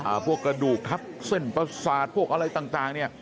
พวกกระดูกทับเส้นประสาทพวกอะไรต่างต่างเนี่ย